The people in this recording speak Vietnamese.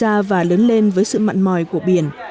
ra và lớn lên với sự mặn mòi của biển